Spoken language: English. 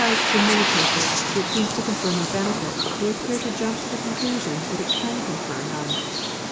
Because, in many cases, it seems to confer no benefit, they appear to jump to the con clusion that it can confer none.